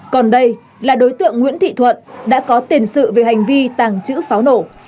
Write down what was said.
còn đây là đối tượng nguyễn thị thuận đã có tiền sự về hành vi tàng trữ pháo nổ